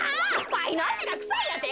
わいのあしがくさいやて？